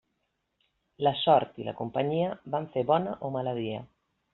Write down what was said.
La sort i la companyia fan fer bona o mala via.